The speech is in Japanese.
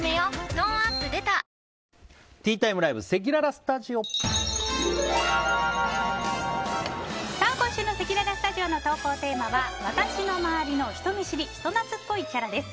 トーンアップ出た今週のせきららスタジオの投稿テーマは私の周りの人見知り・人懐っこいキャラです。